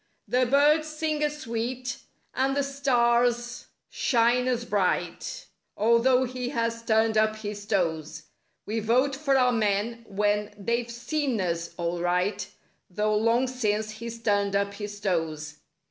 The birds sing as sweet and the stars shine as bright— Although he has turned up his toes. We vote for our men when they've "seen" us, all right— Though long since he's turned up his toes.